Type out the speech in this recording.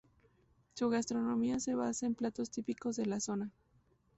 Su gastronomía se basa en platos típicos de la zona.